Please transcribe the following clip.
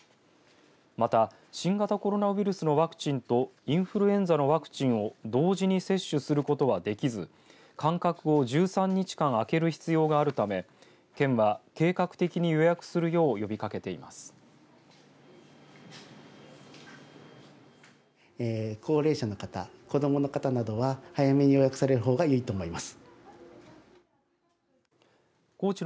また新型コロナウイルスのワクチンとインフルエンザのワクチンを同時に接種することはできず間隔を１３日間あける必要があるため県は計画的に予約するよう呼びかけています。